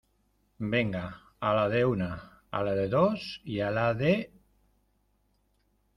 venga, a la de una , a la de dos y a la de...